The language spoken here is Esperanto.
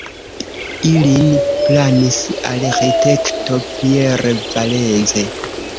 Ilin planis arĥitekto Pierre Valence.